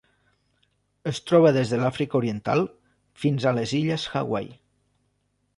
Es troba des de l'Àfrica Oriental fins a les Illes Hawaii.